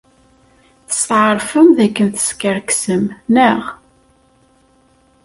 Testeɛṛfem dakken teskerksem, naɣ?